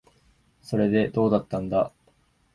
それで、どうだったんだ。